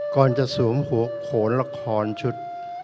ก่อนจะสวมหัวโขนละครชุด